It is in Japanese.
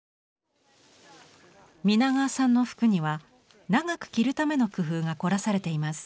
皆川さんの服には長く着るための工夫が凝らされています。